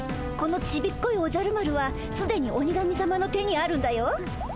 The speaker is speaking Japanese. このちびっこいおじゃる丸はすでに鬼神さまの手にあるんだよ。